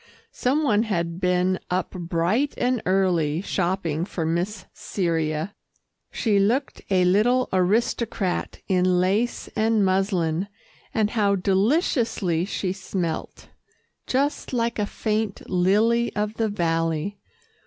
Some one had been up bright and early, shopping for Miss Cyria. She looked a little aristocrat in lace and muslin, and how deliciously she smelt just like a faint lily of the valley.